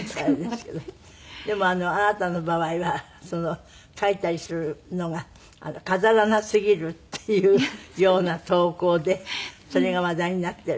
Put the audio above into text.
でもあなたの場合は書いたりするのが飾らなすぎるっていうような投稿でそれが話題になっているって。